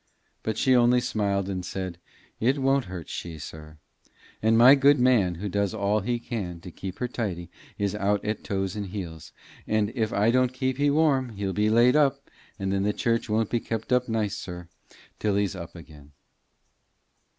But she only smiled and said, "It won't hurt she, sir; and my good man, who does all he can to keep her tidy, is out at toes and heels, and if I don't keep he warm he'll be laid up, and then the church won't be kep' nice, sir, till he's up again."